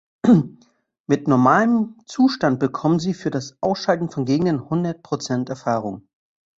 Mit normalem Zustand bekommen Sie für das Ausschalten von Gegnern hundert Prozent Erfahrung.